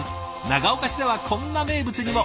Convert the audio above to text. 長岡市ではこんな名物にも。